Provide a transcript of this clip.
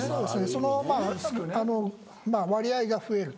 その割合が増える。